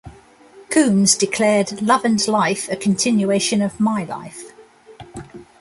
Combs declared "Love and Life" a continuation of "My Life".